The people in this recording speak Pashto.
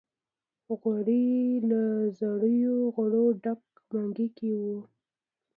غوړي له زېړو غوړو ډک منګي کې وو.